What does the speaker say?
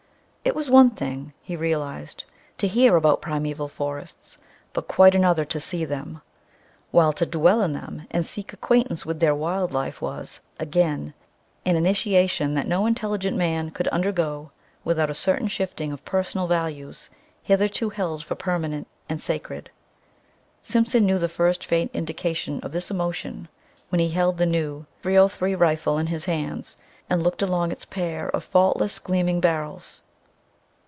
It was one thing, he realized, to hear about primeval forests, but quite another to see them. While to dwell in them and seek acquaintance with their wild life was, again, an initiation that no intelligent man could undergo without a certain shifting of personal values hitherto held for permanent and sacred. Simpson knew the first faint indication of this emotion when he held the new. 303 rifle in his hands and looked along its pair of faultless, gleaming barrels.